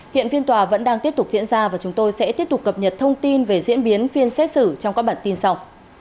hiện phiên tòa vẫn đang tiếp tục diễn ra và chúng tôi sẽ tiếp tục cập nhật thông tin về diễn biến phiên xét xử trong các bản tin sau